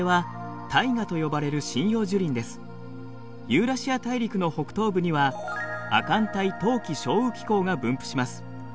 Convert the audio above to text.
ユーラシア大陸の北東部には亜寒帯冬季少雨気候が分布します。